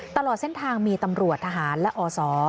ตลอดเส้นทางมีตำรวจทหารและอศ